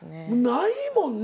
ないもんね。